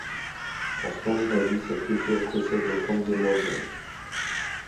En Scandinavie cette culture précède le Kongemosien.